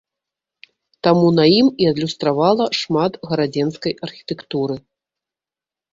Таму на ім і адлюстравала шмат гарадзенскай архітэктуры.